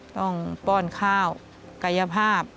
ต้องป้อนข้าวกายภาพ